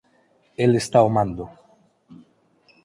El está ao mando.